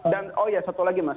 dan oh ya satu lagi mas